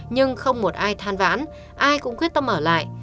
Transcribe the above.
nhưng không một ai than vãn ai cũng quyết tâm ở lại